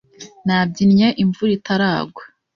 Nabyinnye imvura itaragwa